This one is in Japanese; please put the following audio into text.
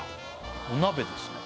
お鍋ですね